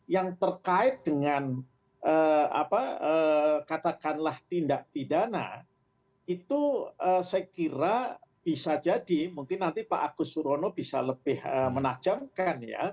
yang terkait dengan katakanlah tindak pidana itu saya kira bisa jadi mungkin nanti pak agus surono bisa lebih menajamkan ya